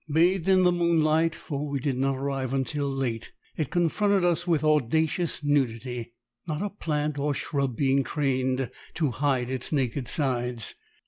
Bathed in the moonlight for we did not arrive till late it confronted us with audacious nudity; not a plant or shrub being trained to hide its naked sides.